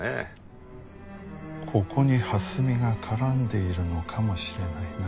ここに蓮見が絡んでいるのかもしれないな。